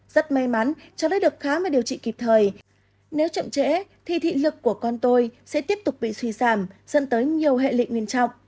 rất may mắn cho nó được khám và điều chỉnh kịp thời nếu chậm trễ thì thị lực của con tôi sẽ tiếp tục bị suy giảm dẫn tới nhiều hệ lịnh nguyên trọng